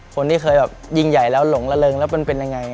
คนที่เคยแบบยิ่งใหญ่แล้วหลงระเริงแล้วมันเป็นยังไง